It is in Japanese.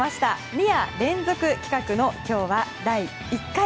２夜連続企画の今日は第１回。